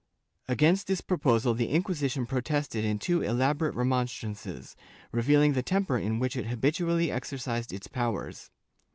* Against this proposal the Inquisition protested in two elaborate remonstrances, revealing the temper in which it habitually exercised its powers.